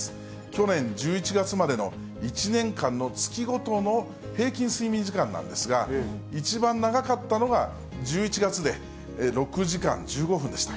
去年１１月までの１年間の月ごとの平均睡眠時間なんですが、一番長かったのが１１月で、６時間１５分でした。